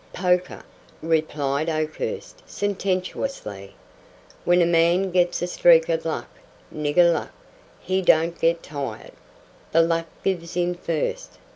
"Poker!" replied Oakhurst, sententiously; "when a man gets a streak of luck, nigger luck he don't get tired. The luck gives in first.